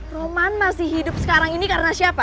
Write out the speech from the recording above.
roman masih hidup sekarang ini karena siapa